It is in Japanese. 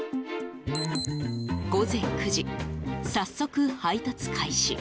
午前９時、早速配達開始。